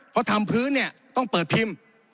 เพราะทำพื้นเนี่ยต้องเปิดพิมพ์